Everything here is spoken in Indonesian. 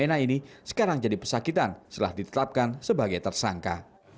wna ini sekarang jadi pesakitan setelah ditetapkan sebagai tersangka